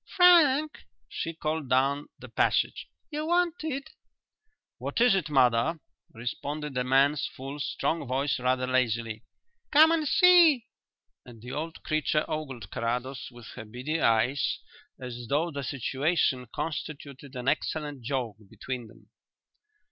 Frank," she called down the passage, "you're wanted." "What is it, mother?" responded a man's full, strong voice rather lazily. "Come and see!" and the old creature ogled Carrados with her beady eyes as though the situation constituted an excellent joke between them.